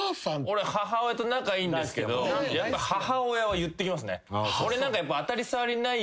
俺母親と仲いいですけどやっぱ母親は言ってきますね。